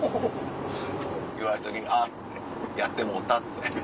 言われた時に「あっやってもうた」って。